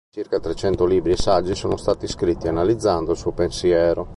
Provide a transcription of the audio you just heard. Circa trecento libri e saggi sono stati scritti analizzando il suo pensiero.